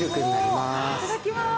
いただきます。